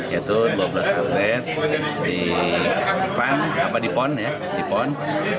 yaitu dua belas atlet di pon